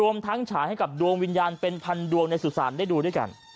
รวมทั้งฉายให้กับดวงวิญญาณเป็นพันดวงในสุสานได้ดูด้วยกัน